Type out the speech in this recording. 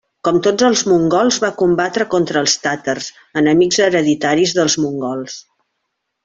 Com tots els mongols va combatre contra els tàtars, enemics hereditaris dels mongols.